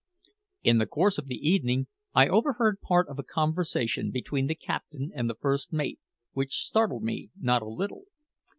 In the course of the evening I overheard part of a conversation between the captain and the first mate, which startled me not a little.